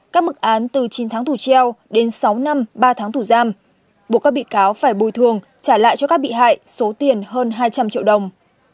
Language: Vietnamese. các mức án từ chín tháng tù treo đến sáu năm ba tháng thủ giam buộc các bị cáo phải bồi thường trả lại cho các bị hại số tiền hơn hai trăm linh triệu đồng